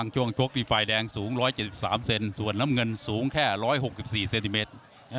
ช่วงชกนี่ฝ่ายแดงสูง๑๗๓เซนส่วนน้ำเงินสูงแค่๑๖๔เซนติเมตร